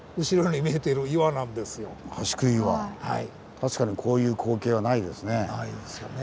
確かにこういう光景はないですね。